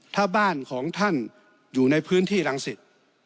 ถ้าบ้านของท่านอยู่ในพื้นที่รังสิต